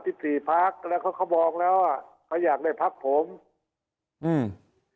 สิบสี่พักแล้วเขาก็บอกแล้วอ่ะเขาอยากได้พักผมอืม